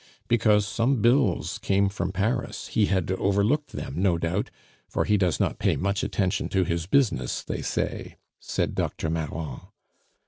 "Because some bills came from Paris; he had overlooked them, no doubt, for he does not pay much attention to his business, they say," said Dr. Marron.